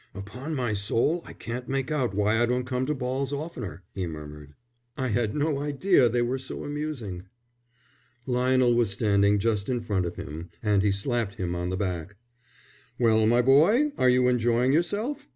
"Upon my soul, I can't make out why I don't come to balls oftener," he murmured. "I had no idea they were so amusing." Lionel was standing just in front of him, and he slapped him on the back. "Well, my boy, are you enjoying yourself?